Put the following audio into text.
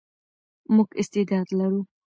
موږ استعداد لرو.